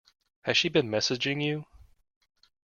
Has she been messaging you?